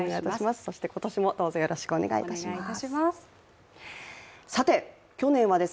そして今年もどうぞよろしくお願いいたします。